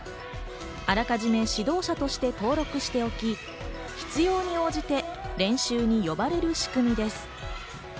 あらかじめ指導者として登録をしておき、必要に応じて練習に呼ばれる仕組みです。